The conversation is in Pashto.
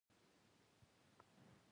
زوی مې وویل، چې مې پسه ما ته قهوه راوړه.